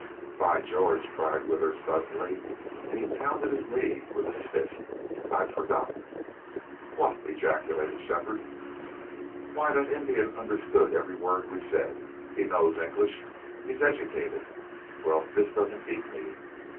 "By George!" cried Withers, suddenly, and he pounded his knee with his fist. "I'd forgotten." "What?" ejaculated Shefford. "Why, that Indian understood every word we said. He knows English. He's educated. Well, if this doesn't beat me....